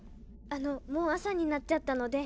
あのもう朝になっちゃったので。